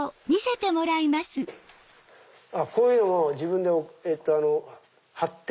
あっこういうのも自分で貼って。